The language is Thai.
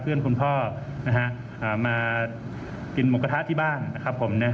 เพื่อนคุณพ่อนะฮะมากินหมูกระทะที่บ้านนะครับผม